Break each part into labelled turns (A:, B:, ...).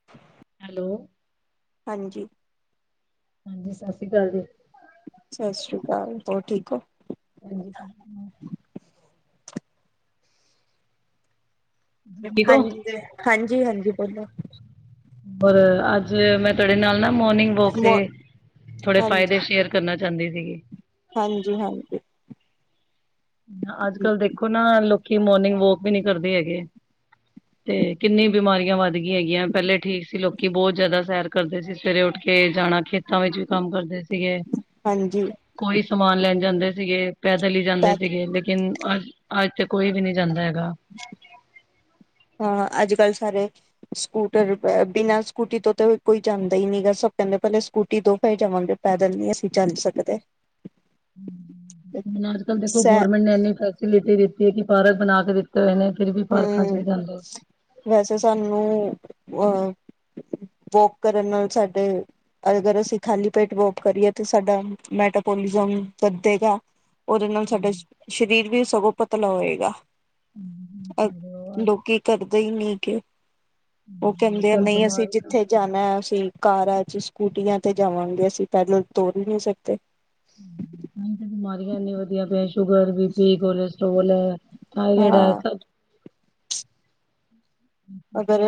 A: [inaudible]
B: Hello.
A: ਹਾਂਜੀ।
B: ਹਾਂਜੀ, ਸਸ ਸ਼ੀ ਕਾਲ ਜੀ।
A: ਸਸ ਸ਼੍ਰੀ ਕਾਲ, ਹੋਰ ਠੀਕ ਓ?
B: [inaudible]
A: [unintelligible]
B: ਠੀਕ ਹੋ
A: ਹਾਂਜੀ, ਹਾਂਜੀ-ਹਾਂਜੀ ਬੋਲੋ।
B: ਹੋਰ ਅੱਜ ਮੈਂ ਤੁਆਡੇ ਨਾਲ ਨਾ ਮੋਰਨਿੰਗ ਵੋਕ ਦੇ
A: ਮ
B: ਥੋੜੇ
A: ਹਾਂਜੀ
B: ਫਾਈਦੇ ਸ਼ੇਅਰ ਕਰਨਾ ਚਾਂਦੀ ਸੀਗੀ।
A: ਹਾਂਜੀ ਹਾਂ।
B: ਅੱਜ-ਕੱਲ ਦੇਖੋ ਨਾ ਲੋਕੀ ਮੋਰਨਿੰਗ ਵੋਕ ਵੀ ਨੀ ਕਰਦੇ ਹੈਗੇ ਤੇ ਕਿੰਨੀ ਬਿਮਾਰੀਆਂ ਵੱਧ ਗਈ ਹੈਗੀਆਂ ਪਹਿਲੇ ਠੀਕ ਸੀ ਲੋਕੀ ਬਹੁਤ ਜ਼ਿਆਦਾ ਸੈਰ ਕਰਦੇ ਸੀ ਸਵੇਰੇ ਉੱਠ ਕੇ ਜਾਣਾ ਖੇਤ ਖੇਤਾਂ ਵਿੱਚ ਵੀ ਕੰਮ ਕਰਦੇ ਸੀਗੇ
A: ਹਾਂਜੀ
B: ਕੋਈ ਸਮਾਨ ਲੈਣ ਜਾਂਦੇ ਸੀਗੇ ਪੈਦਲ ਹੀ ਜਾਂ
A: ਤਾਂ
B: ਸੀਗੇ ਲੇਕਿਨ ਅੱਜ ਅੱਜ ਕੋਈ ਵੀ ਨਹੀਂ ਜਾਂਦਾ ਹੈਗਾ।
A: [inaudible] ਹਾਂ ਅੱਜ-ਕੱਲ ਸਾਰੇ ਸਕੂਟਰ ਬਿਨਾਂ ਸਕੂਟੀ ਤੋਂ ਤੇ ਕੋਈ ਜਾਂਦਾ ਈ ਨੀ ਗਾ ਸਭ ਕਹਿੰਦੇ ਪਹਿਲੇ ਸਕੂਟੀ ਤੋਂ ਫਿਰ ਜਾਵਾਂਗੇ। ਪੈਦਲ ਵੀ ਅਸੀਂ ਚੱਲ ਸਕਦੇ‌।
B: [inaudible] ਹੁਣ ਅੱਜ ਕੱਲ ਦੇਖੋਂ
A: ਸੈ
B: ਗੌਰਮੈਂਟ ਨੇ ਇੰਨੀ ਫੈਸਿਲਿਟੀ ਦਿੱਤੀ ਹੈ ਕਿ ਪਾਰਕ ਬਣਾ ਕੇ ਦਿੱਤੇ ਹੋਏ ਨੇ ਫਿਰ ਵੀ ਪਾਰਕਾਂ ਚ
A: ਹੂ
B: ਨਹੀਂ ਜਾਂਦੇ।
A: ਵੈਸੇ ਸਾਨੂੰ ਆ ਵੋਕ ਕਰਨ ਨਾਲ ਸਾਡੇ ਅਗਰ ਅਸੀਂ ਖਾਲੀ ਪੇਟ ਵੋਕ ਕਰੀਏ ਤਾਂ ਸਾਡਾ ਮੈਟ ਪੋਲੀਫੋਮ ਵਧੇਗਾ ਉਹਦੇ ਨਾਲ ਸਾਡਾ ਸਰੀਰ ਵੀ ਸਗੋਂ ਪਤਲਾ ਹੋਏਗਾ। ਅ ਲੋਕੀਂ ਕਰਦੇ ਹੀ ਨੀ ਗੇ ਉਹ
B: ਅੱਜ
A: ਕਹਿੰਦੇ ਆ
B: ਕੱਲ੍ਹ
A: ਨਹੀਂ ਅਸੀਂ
B: ਬਿਮਾਰੀਆਂ
A: ਜਿੱਥੇ ਜਾ ਨਾ ਅਸੀਂ ਕਾਰਾਂ ਚ ਸਕੂਟੀਆਂ ਤੇ ਜਾਵਾਂਗੇ ਅਸੀਂ ਪੈਦਲ ਤੁਰ ਈ ਨੀ ਸਕਦੇ
B: ਬਿਮਾਰੀਆਂ ਇੰਨੀ ਵਧੀਆਂ ਪਈਆਂ ਸ਼ੂਗਰ ਬੀ ਪੀ ਕੋਲੇਸਟਰ੍ਰੋਲ ਅੱਲੇ
A: ਹਾਂ
B: ਡੈਸਕ
A: ਅਗਰ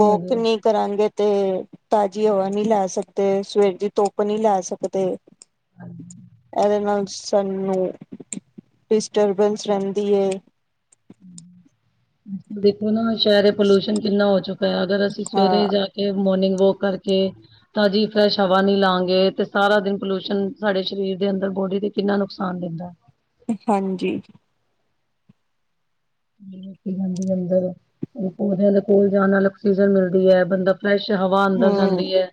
A: ਵੋਕ ਨੀ ਕਰਾਂਗੇ ਤੇ ਤਾਜ਼ੀ ਹਵਾ ਨੀ ਲੈ ਸਕਦੇ ਸਵੇਰ ਦੀ ਧੁੱਪ ਨੀ ਲੈ ਸਕਦੇ ਇਹਦੇ ਨਾਲ ਸਾਨੂੰ ਡਿਸਟਰਬੈਂਸ ਰਹਿੰਦੀ ਏ
B: ਦੇਖੋਂ ਨਾ ਸ਼ਹਿਰ ਪੋਲਿਊਸ਼ਨ ਕਿੰਨਾ ਹੋ ਚੁੱਕਾ ਹੈ ਅਗਰ ਅਸੀਂ ਸਵੇਰੇ
A: ਹਾਂ
B: ਜਾ ਕੇ ਮੋਰਨਿੰਗ ਵੋਕ ਕਰਕੇ ਤਾਂਜ਼ੀ ਫਰੈਸ਼ ਹਵਾ ਨੀ ਲਾਂਗੇ ਤੇ ਸਾਰਾ ਦਿਨ ਪੋਲਿਊਸ਼ਨ ਸਾਡੇ ਸਰੀਰ ਦੇ ਅੰਦਰ ਬੌਡੀ ਦੇ ਕਿੰਨਾ ਨੁਕਸਾਨ ਦਿੰਦਾ
A: ਹਾਂਜੀ।
B: ਲੁਕੀ ਜਾਂਦੀ ਅੰਦਰ ਉਹਦੇ ਕੋਲ ਜਾਣਾ ਆਕਸੀਜਨ ਮਿਲਦੀ ਏ ਬੰਦਾ ਫਰੈਸ਼ ਹਵਾ ਅੰਦਰ
A: ਹਮ
B: ਜਾਂਦੀ ਹੈ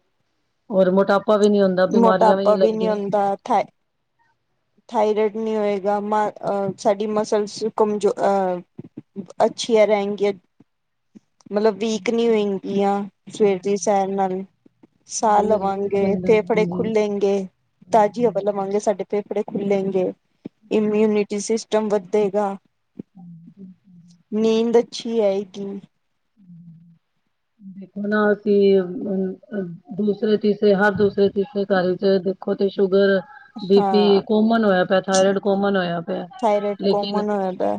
B: ਔਰ ਮੋਟਾਪਾ ਵੀ ਨੀ ਆਂ
A: ਮੋਟਾਪਾ ਵੀ ਨੀ ਆਂਦਾ ਥਾਏ ਥਾਇਰਇਡ ਨੀ ਹੋਏਗਾ ਮਾ ਸਾਡੀ ਮਸਲਜ਼ ਕੰਮਜ਼ੋ ਐ ਅੱਛੀਆਂ ਰਹਿਣਗੀਆਂ। ਮਤਲਬ ਵੀਕ ਨੀ ਹੋਏਗੀ ਆ ਸਵੇਰ ਦੀ ਸੈਰ ਨਾਲ ਸਾਹ
B: ਸਰੀਰ ਮਜ਼ਬੂਤ
A: ਲਵਾਂਗੇ
B: ਬਣਦਾ ਹੈ।
A: ਤੇ ਬੜੇ
B: ਹਾਂਜੀ
A: ਖੁੱਲੇਗੇ ਤਾਜ਼ੀ ਹਵਾ ਲਵਾਂਗੇ ਸਾਡੇ ਫੇਪੜੇ ਖੁੱਲੇਗੇ ਇਮਿਊਨਿਟੀ ਸਿਸਟਮ ਵੱਧੇਗਾ ਨੀਂਦ ਅੱਛੀ ਆਏਗੀ।
B: ਦੇਖੋ ਨਾ ਅਸੀਂ ਆ ਆ ਦੂਸਰੇ ਤੀਸਰੇ ਹਰ ਦੂਸਰੇ ਤੀਸਰੇ ਘਰ ਚ ਦੇਖੋ ਤੇ ਸ਼ੂਗਰ ਬੀ ਪੀ
A: ਹਾਂ
B: ਕੋਮਨ ਹੋਇਆ ਪਿਆ ਥਾਇਰਾਇਡ ਕੋਮਨ ਹੋਇਆ ਪਿਆ
A: ਥਾਇਰਡ
B: ਲੇਕਿਨ
A: ਕੋਮਨ ਹੋ ਜਾਂਦਾ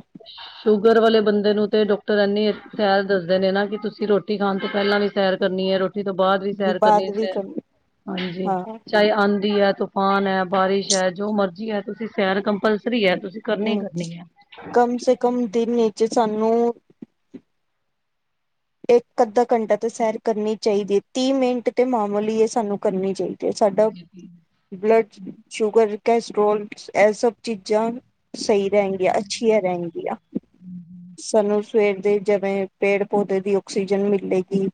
B: ਸ਼ੂਗਰ ਵਾਲੇ ਬੰਦੇ ਨੂੰ ਤੇ ਡਾਕਟਰ ਇੰਨੀ ਹੈਲ ਦੱਸਦੇ ਨੇ ਨਾ ਕਿ ਤੁਸੀਂ ਰੋਟੀ ਖਾਣ ਤੋਂ ਪਹਿਲਾਂ ਵੀ ਸੈਰ ਕਰਨੀ ਐ ਰੋ ਰੋਟੀ ਤੋਂ ਬਾਅਦ ਵੀ ਸੈਰ ਕਰਨੀ
A: ਬਾਤ ਵੀ
B: ਸੈਰ ਹਾਂਜੀ
A: ਹਾਂ
B: ਚਾਹੇ ਆਂਦੀ ਏ ਧੁੱਪ ਤੂਫਾਨ ਹੈ ਬਾਰਿਸ਼ ਹੈ ਜੋ ਮਰਜ਼ੀ ਹੈ ਤੁਸੀਂ ਸੈਰ ਕੰਪਲਸਰੀ ਹੈ ਤੁਸੀਂ ਕਰਨੀ ਈ
A: ਹਮ
B: ਕਰਨੀ ਐ।
A: ਕਮ ਸੇ ਕਮ ਦਿਨ ਨੀਚੇ ਸਾਨੂੰ ਇੱਕ ਅੱਧਾ ਘੰਟਾ ਤੇ ਸੈਰ ਕਰਨੀ ਚਾਹੀਦੀ ਏ ਤੀਹ ਮਿੰਟ ਤੇ ਮਾਮੂਲੀ ਏ ਸਾਨੂੰ ਕਰਨੀ ਚਾਹੀ ਤੇ ਸਾਡਾ, ਬਲੱਡ 'ਚ ਸ਼ੂਗਰ, ਕੈਸਟਰ੍ਰੋਲ ਏ ਸਭ ਚੀਜ਼ਾਂ ਸਹੀ ਰੈਣਗੀਆਂ, ਅੱਛੀਆਂ ਰੈਣਗੀਆਂ। ਸਾਨੂੰ ਸਵੇਰ ਦੇ ਜਿਵੇਂ ਪੇੜ ਪੌਦੇ ਦੀ ਆਕਸੀਜਨ ਮਿਲੇਗੀ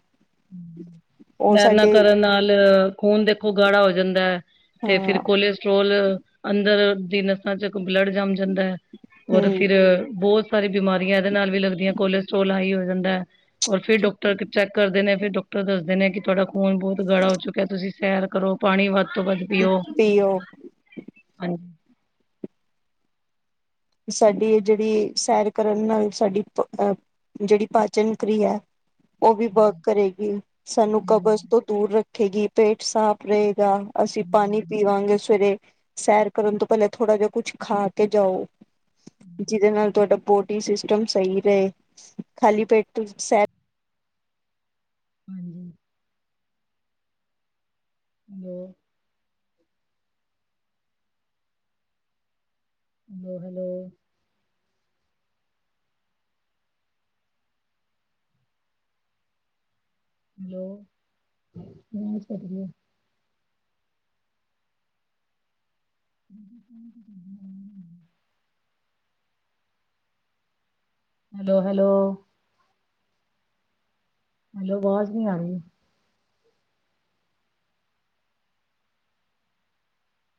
A: ਉਹ
B: ਸੈਰ ਨਾ
A: ਸਾਡੇ
B: ਕਰਨ ਨਾਲ਼ ਖੂਨ ਦੇਖੋਂ ਗਾੜਾ ਹੋ ਜਾਂਦਾ ਐ। ਤੇ ਫ਼ਿਰ
A: ਹਾਂ
B: ਕੋਲੇਸਟਰ੍ਰੋਲ ਅੰਦਰ ਦੀ ਨਸਾਂ ਚ ਬਲੱਡ ਜੰਮ ਜਾਂਦਾ ਔਰ
A: ਹਮ
B: ਫ਼ਿਰ ਬੋਤ ਸਾਰੀਆ ਬਿਮਾਰੀਆਂ ਏਦੇ ਨਾਲ਼ ਵੀ ਲੱਗਦੀਆਂ ਕੋਲਸਟ੍ਰੋਲ ਹਾਈ ਹੋ ਜਾਂਦਾ ਔਰ ਫ਼ੇਰ ਡਾਕਟਰ ਚੈੱਕ ਕਰਦੇ ਨੇ ਫ਼ੇਰ ਡਾਕਟਰ ਦੱਸਦੇ ਨੇ ਕਿ ਤੁਹਾਡਾ ਖੂਨ ਬਹੁਤ ਗਾੜਾ ਹੋ ਚੁੱਕਿਆਂ ਤੁਸੀਂ ਸੈਰ ਕਰੋ। ਪਾਣੀ ਵੱਧ ਤੋਂ ਵੱਧ ਪੀਓ,
A: ਵੀ ਉਹ
B: ਹਾਂ
A: ਸਾਡੀ ਏ ਜੇੜੀ ਸੈਰ ਕਰਨ ਨਾਲ਼ ਸਾਡੀ ਅ ਜੇੜੀ ਪਾਚਨ ਅੰਤੜੀ ਆ ਓ ਵੀ ਵਰਕ ਕਰੇਗੀ ਸਾਨੂੰ ਕਬਜ਼ ਤੋਂ ਦੂਰ ਰੱਖੇਗੀ ਪੇਟ ਸਾਫ਼ ਰਏਗਾ ਅਸੀਂ ਪਾਣੀ ਪੀਵਾਂਗੇ ਸਵੇਰੇ ਸੈਰ ਕਰਨ ਤੋਂ ਪੇਲਾਂ ਥੋੜ੍ਹਾ ਜਿਹਾ ਕੁੱਛ ਖਾ ਕੇ ਜਾਓ। ਜਿਦੇ ਨਾਲ ਤੁਆਡਾ ਬੋਡੀ ਸਿਸਟਮ ਸਈ ਰਏ, ਖਾਲੀ ਪੇਟ ਤੋਂ ਸੈਰ
B: ਹਾਂਜੀ। [unintelligible] ਹੈਲੋ-ਹੈਲੋ। ਹੈਲੋ, ਫੋਨ ਈ ਕੱਟ ਗੇਆ। [unintelligible] ਹੈਲੋ-ਹੈਲੋ। ਹਲੋ ਆਵਾਜ਼ ਨੀ ਆ ਰਈ।